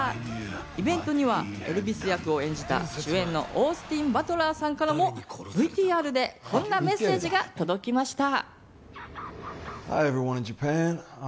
イベントにはエルヴィス役を演じた主演のオースティン・バトラーさんからもＶＴＲでこんなメッセージが届きました。